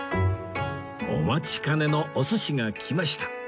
お待ちかねのお寿司が来ました